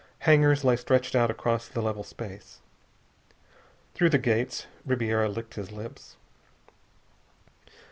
Hangars lay stretched out across the level space. Through the gates. Ribiera licked his lips.